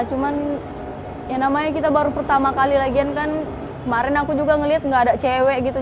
cuman ya namanya kita baru pertama kali lagian kan kemarin aku juga ngeliat gak ada cewek gitu